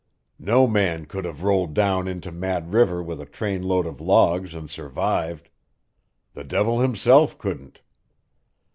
"No man could have rolled down into Mad River with a trainload of logs and survived. The devil himself couldn't."